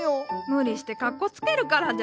無理してかっこつけるからじゃ。